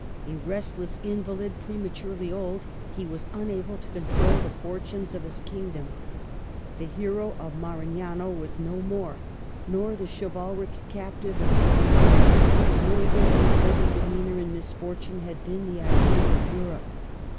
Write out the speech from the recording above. A restless in valid, prematurely old, he was unable to control the fortunes of his kingdom. The hero of Ma rignano was no more, nor the chivalric captive of Pavia, whose noble and courtly demeanor in misfortune had been the ideal of Europe.